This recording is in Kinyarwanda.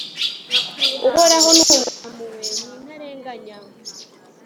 uhoraho ni umunyampuhwe n'intarenganya